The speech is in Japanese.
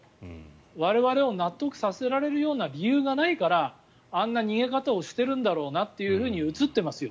我々を納得させられるような理由がないからあんな逃げ方をしているんだろうなって映っていますよ。